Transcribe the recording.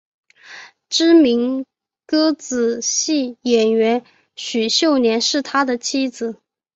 知名歌仔戏演员许秀年是他的妻子。